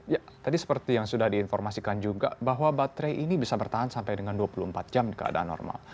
ya tadi seperti yang sudah diinformasikan juga bahwa baterai ini bisa bertahan sampai dengan dua puluh empat jam keadaan normal